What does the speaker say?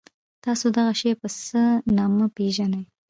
تاسو دغه شی په څه نامه پيژنی؟